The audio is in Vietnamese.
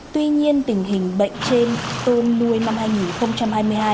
tuy nhiên tình hình bệnh trên tôm nuôi năm hai nghìn hai mươi hai